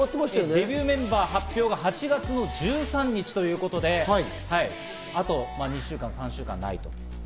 デビューメンバー発表が８月１３日、あと２週間３週間ない。